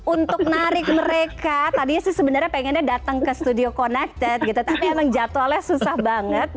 untuk narik mereka tadinya sih sebenarnya pengennya datang ke studio connected gitu tapi emang jadwalnya susah banget